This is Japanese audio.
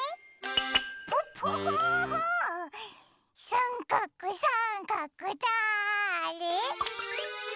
さんかくさんかくだれ？